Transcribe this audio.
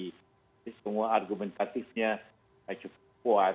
jadi semua argumentatifnya cukup kuat